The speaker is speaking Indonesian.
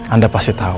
anda pasti tahu